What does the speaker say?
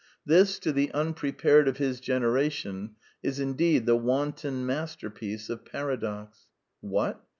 This, to the unprepared of his generation, is indeed the wanton master piece of paradox. What!